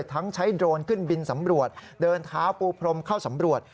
ทั้งใช้โดรนขึ้นบินสำรวจเดินเท้าปูพรมเข้าสำรวจ